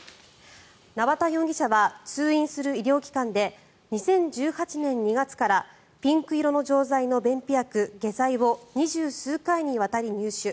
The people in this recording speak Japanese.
縄田容疑者は通院する医療機関で２０１８年２月からピンク色の錠剤の便秘薬、錠剤を２０数回にわたり入手。